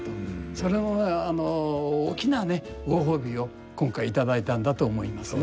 それは大きなねご褒美を今回頂いたんだと思いますね。